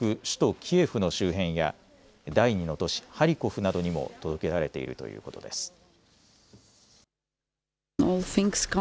首都キエフの周辺や第２の都市ハリコフなどにも届けられているということです。